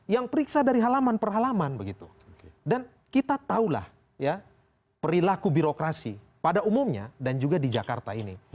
yang periksa dari halaman per halaman begitu dan kita tahulah perilaku birokrasi pada umumnya dan juga di jakarta ini